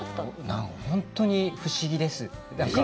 本当に不思議です。